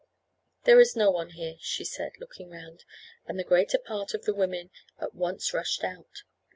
"There is no one here," she said, looking round, and the greater part of the women at once rushed out.